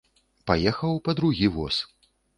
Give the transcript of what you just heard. Паехаў па другі воз.